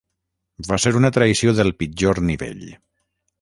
Va ser una traïció del pitjor nivell.